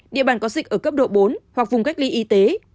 địa bàn có dịch ở cấp độ bốn hoặc vùng cách ly y tế